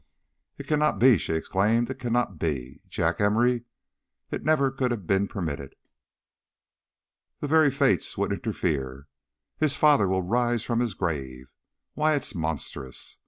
"It cannot be!" she exclaimed. "It cannot be! Jack Emory? It never could have been permitted. The very Fates would interfere. His father will rise from his grave. Why, it's monstrous.